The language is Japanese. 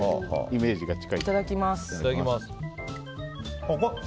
いただきます。